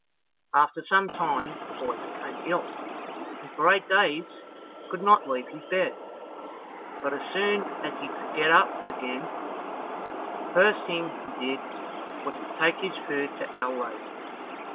After some time the boy became ill, and for eight days could not leave his bed; but as soon as he could get up again, the first thing he did was to take his food to Our Lady.